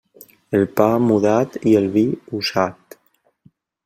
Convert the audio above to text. El pa, mudat, i el vi, usat.